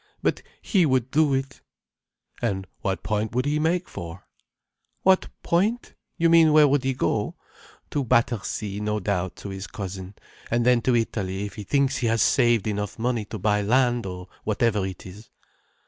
But he would do it." "And what point would he make for?" "What point? You mean where would he go? To Battersea, no doubt, to his cousin—and then to Italy, if he thinks he has saved enough money to buy land, or whatever it is."